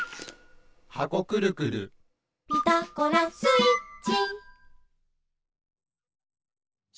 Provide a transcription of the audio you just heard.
「ピタゴラスイッチ」